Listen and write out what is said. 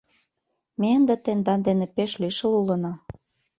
Ме ынде тендан дене пеш лишыл улына.